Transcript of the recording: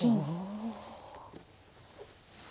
お。